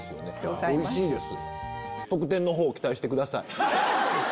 おいしいです。